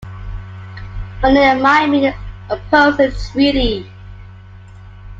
Only the Miami opposed the treaty.